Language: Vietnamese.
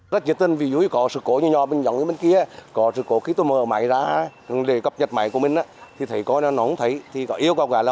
rất nhiệt tình vì dù có sự cố như nhỏ bên nhỏ bên kia có sự cố khi tôi mở máy ra đề cập nhật máy của mình thì thấy có nó không thấy thì yêu gọi gọi là họ xuống xưa ngay đây